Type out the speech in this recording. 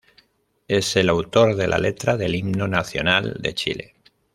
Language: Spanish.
Es el autor de la letra del himno nacional de Chile.